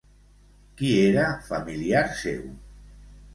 Qui era familiar seu?